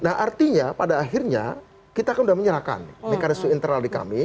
nah artinya pada akhirnya kita kan sudah menyerahkan mekanisme internal di kami